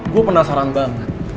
gue penasaran banget